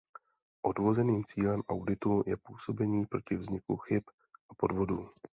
Odvozeným cílem auditu je působení proti vzniku chyb a podvodů.